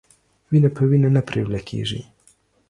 وينه په وينه نه پريوله کېږي.